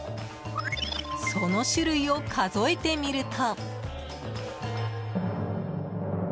その種類を数えてみると。